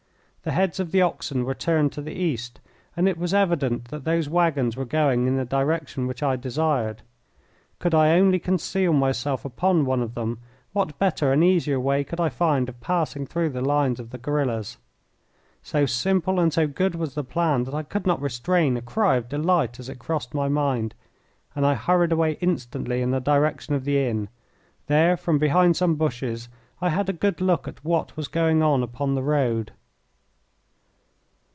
The heads of the oxen were turned to the east, and it was evident that those waggons were going in the direction which I desired. Could I only conceal myself upon one of them, what better and easier way could I find of passing through the lines of the guerillas? So simple and so good was the plan that I could not restrain a cry of delight as it crossed my mind, and I hurried away instantly in the direction of the inn. There, from behind some bushes, I had a good look at what was going on upon the road.